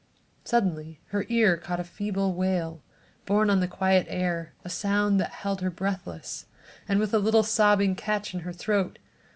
Suddenly her ear caught a feeble wail borne on the quiet air, a sound that held her breathless, with a little sobbing catch in her throat.